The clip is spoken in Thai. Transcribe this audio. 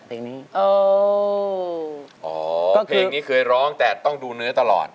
อ๋อเพลงนี้เคยร้องแต่ต้องดูเนื้อตลอด